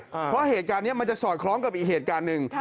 เพราะเหตุการณ์นี้มันจะสอดคล้องกับอีกเหตุการณ์หนึ่ง